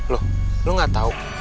loh lo gak tau